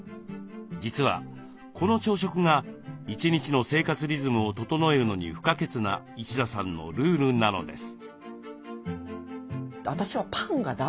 実はこの朝食が一日の生活リズムを整えるのに不可欠な一田さんのルールなのです。